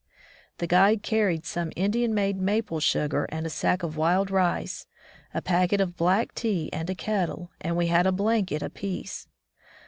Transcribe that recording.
The guide carried some In dian made maple sugar and a sack of wild rice, a packet of black tea and a kettle, and we had a blanket apiece.